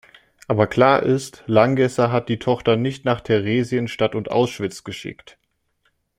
Aber klar ist, Langgässer hat die Tochter nicht nach Theresienstadt und Auschwitz geschickt.